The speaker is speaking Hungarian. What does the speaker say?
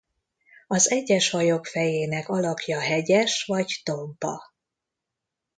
Az egyes fajok fejének alakja hegyes vagy tompa.